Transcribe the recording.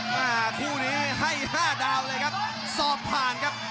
คู่นี้ให้๕ดาวเลยครับสอบผ่านครับ